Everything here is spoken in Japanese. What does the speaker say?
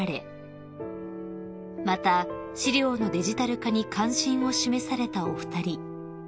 ［また資料のデジタル化に関心を示されたお二人］